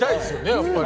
やっぱり。